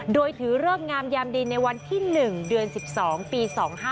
โดยถือเลิกงามยามดีในวันที่๑เดือน๑๒ปี๒๕๖